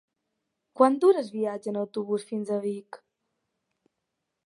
Quant dura el viatge en autobús fins a Vic?